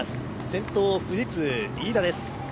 先頭、富士通・飯田です。